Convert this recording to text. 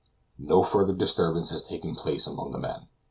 No further disturbance has taken place among the men.